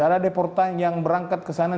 ada deportan yang berangkat ke sana